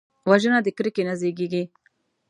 وژنه د کرکې نه زیږېږي